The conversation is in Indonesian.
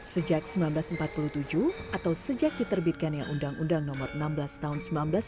sejak seribu sembilan ratus empat puluh tujuh atau sejak diterbitkan yang undang undang nomor enam belas tahun seribu sembilan ratus sembilan puluh